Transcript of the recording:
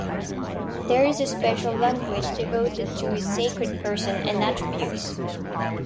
There is a special language devoted to his sacred person and attributes.